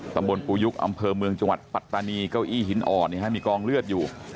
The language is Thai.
ตำบลปูยุกอำเภอเมืองจังหวัดปัตตานีเก้าอี้หินอ่อนมีกองเลือดอยู่